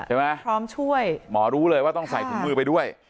ใช่ไหมพร้อมช่วยหมอรู้เลยว่าต้องใส่ถุงมือไปด้วย